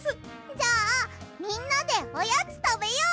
じゃあみんなでおやつたべよう！